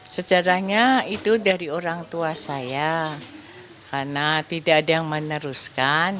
sejarahnya itu dari orang tua saya karena tidak ada yang meneruskan